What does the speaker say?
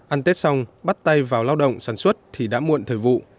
ăn tết xong bắt tay vào lao động sản xuất thì đã muộn thời vụ